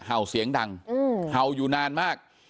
เห่าเสียงดังเห่าอยู่นานมาก